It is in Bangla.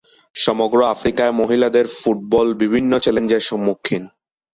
সমগ্র আফ্রিকায় মহিলাদের ফুটবল বিভিন্ন চ্যালেঞ্জের সম্মুখিন।